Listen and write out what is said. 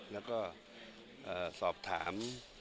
แล้วก็สอบถาม